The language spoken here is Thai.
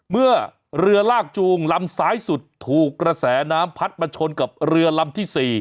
เมื่อเรือลากจูงลำซ้ายสุดถูกกระแสน้ำพัดมาชนกับเรือลำที่๔